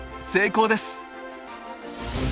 成功です！